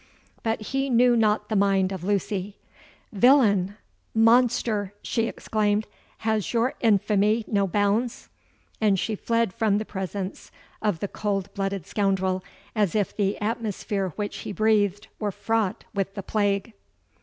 But he knew not the mind of Lucy. 'Villain! monster!' she exclaimed: 'has your infamy no bounds?' and she fled from the presence of the cold blooded scoundrel as if the atmosphere which he breathed were fraught with the plague.